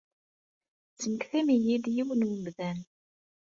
Tesmektayem-iyi-d yiwen n wemdan.